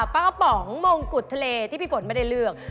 ป้ากระป๋องมงกุฎทะเลที่พี่ฝนไม่ได้เลือก